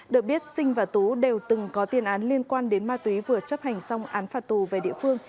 được biết sinh và tú đều từng có tiên án liên quan đến ma túy vừa chấp hành xong án phạt tù về địa phương